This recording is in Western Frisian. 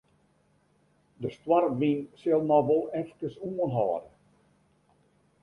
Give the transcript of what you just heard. De stoarmwyn sil noch wol efkes oanhâlde.